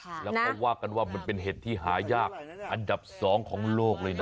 แล้วเขาว่ากันว่ามันเป็นเห็ดที่หายากอันดับ๒ของโลกเลยนะ